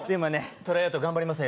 トライアウト頑張りますよ